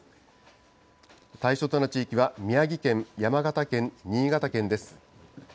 対象となる地域は宮城県、山形県、新潟県です。